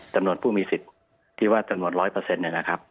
จำนวนผู้มีสิทธิ์ที่ว่าจำนวน๑๐๐เนี่ยนะครับ